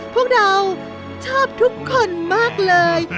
พวกเราชอบทุกคนมากเลย